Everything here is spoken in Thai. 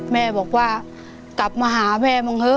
แม่บอกว่ากลับมาหาแม่มึงเถอ